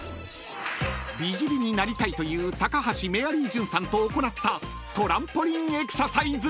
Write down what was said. ［美尻になりたいという高橋メアリージュンさんと行ったトランポリンエクササイズ］